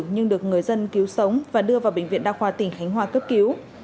nhưng được người dân cứu sống và đưa vào bệnh viện đa khoa tỉnh khánh hoa cướp cứu